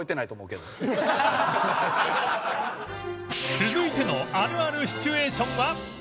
続いてのあるあるシチュエーションは？